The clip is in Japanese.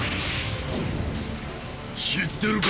知ってるか？